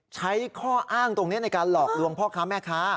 ข้ออ้างตรงนี้ในการหลอกลวงพ่อค้าแม่ค้า